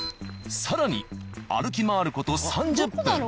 更に歩き回る事３０分。